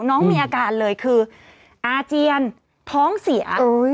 น้องมีอาการเลยคืออาเจียนท้องเสีย